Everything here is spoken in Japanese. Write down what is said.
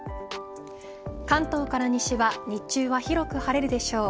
関東から西は日中は広く晴れるでしょう。